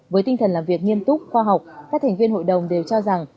với tinh thần làm việc nghiêm túc khoa học các thành viên hội đồng đều cho rằng